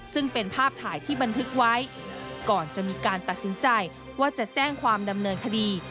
ซึ่งเป็นภาพถ่ายที่บันทึกไว้ก่อนจะมีการตัดสินใจว่าจะแจ้งความดำเนินคดี